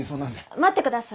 待ってください。